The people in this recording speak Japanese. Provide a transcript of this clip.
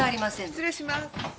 失礼します。